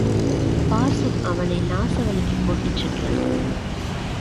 பாசம் அவனை நாசவழிக்குக் கொண்டு சென்றது.